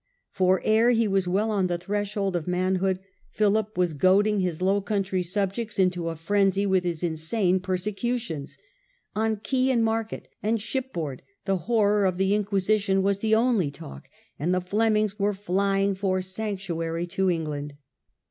For ere he was well on the threshold of manhood, Philip was goading his Low Country subjects into a frenzy with his insane persecutions. On quay, and market, and shipboard the horror of the Inquisition was the only talk, and the Flemings were flying for sanctuary to England.